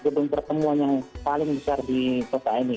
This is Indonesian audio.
gedung pertemuan yang paling besar di kota ini